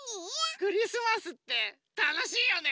クリスマスってたのしいよね！